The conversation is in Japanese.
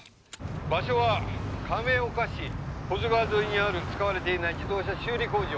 「場所は亀岡市保津川沿いにある使われていない自動車修理工場」